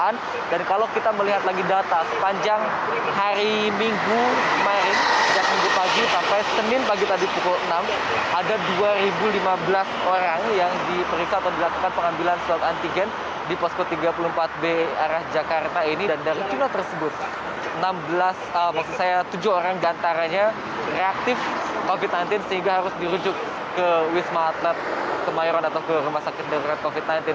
nah kalau kita melihat lagi data sepanjang hari minggu maret sejak minggu pagi sampai senin pagi tadi pukul enam ada dua ribu lima belas orang yang diperiksa atau dilakukan pengambilan surat antigen di posko tiga puluh empat b arah jakarta ini dan dari jumlah tersebut enam belas maksud saya tujuh orang diantaranya reaktif covid sembilan belas sehingga harus dirujuk ke wisma hatnat kemayoran atau ke rumah sakit dekret covid sembilan belas